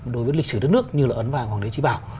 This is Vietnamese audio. đối với lịch sử đất nước như là ấn vàng hoàng đế trí bảo